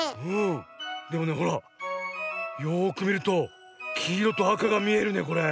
でもねほらよくみるときいろとあかがみえるねこれ。